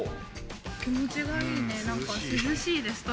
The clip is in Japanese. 気持ちがいいね。